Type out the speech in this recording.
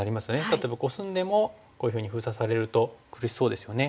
例えばコスんでもこういうふうに封鎖されると苦しそうですよね。